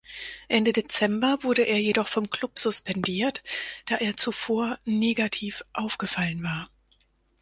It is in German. Ende Dezember wurde er jedoch vom Club suspendiert, da er zuvor negativ aufgefallen war.